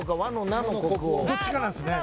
・どっちかなんすよね。